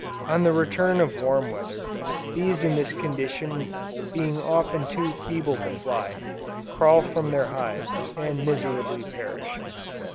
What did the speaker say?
On the return of warm weather, bees in this condition being often too feeble to fly, crawl from their hives, and miserably perish.